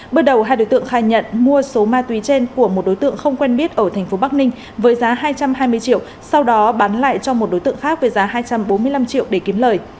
bước đầu hai đối tượng khai nhận mua số ma túy trên của một đối tượng không quen biết ở tp bắc ninh với giá hai trăm hai mươi triệu sau đó bán lại cho một đối tượng khác với giá hai trăm bốn mươi năm triệu để kiếm lời